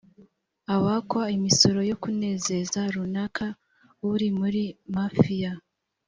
abakwa imisoro yo kunezeza runaka uri muri mafiya,